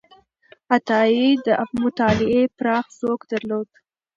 عطایي د مطالعې پراخ ذوق درلود.